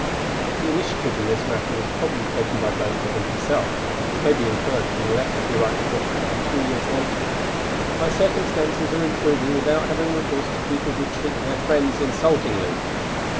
The initiative in this matter was probably taken by Beethoven himself, as may be inferred from a letter he writes to a friend two years later: "My circumstances are improving without having recourse to people who treat their friends insultingly."